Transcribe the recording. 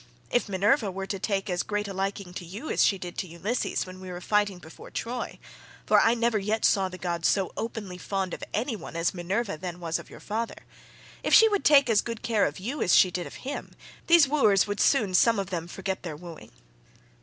If Minerva were to take as great a liking to you as she did to Ulysses when we were fighting before Troy (for I never yet saw the gods so openly fond of any one as Minerva then was of your father), if she would take as good care of you as she did of him, these wooers would soon some of them forget their wooing."